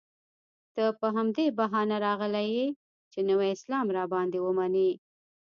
ته په همدې بهانه راغلی یې چې نوی اسلام را باندې ومنې.